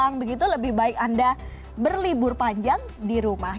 yang begitu lebih baik anda berlibur panjang di rumah